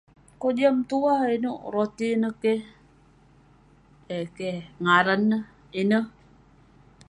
Kojam tuah eh inouk roti neh keh. Eh keh ngaran neh, ineh.